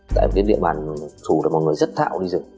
tại cái địa bàn thủ là một người rất thạo đi rừng